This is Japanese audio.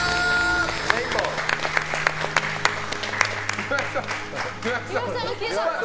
岩井さん